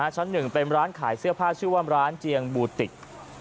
ชั้น๑เป็นร้านขายเสื้อผ้าชื่อว่าร้านเจียงบูติก